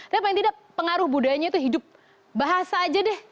tapi paling tidak pengaruh budayanya itu hidup bahasa aja deh